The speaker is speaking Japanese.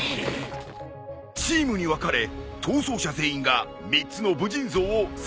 チームに分かれ逃走者全員が３つの武人像を探しに向かう。